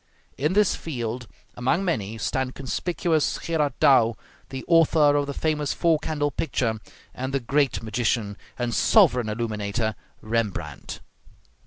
In this field, among many, stand conspicuous Gerard Dow, the author of the famous four candle picture, and the great magician and sovereign illuminator Rembrandt.